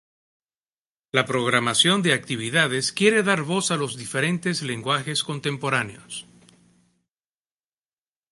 La programación de actividades quiere dar voz a los diferentes lenguajes contemporáneos.